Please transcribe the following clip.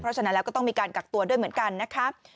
เพราะฉะนั้นแล้วก็ต้องมีการกักตัวด้วยเหมือนกันนะครับ